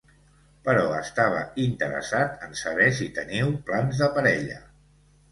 Però estava interessat en saber si teniu plans de parella.